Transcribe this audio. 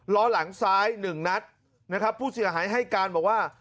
ล้อหลังซ้ายหนึ่งนัดนะครับผู้เสียหายให้การบอกว่า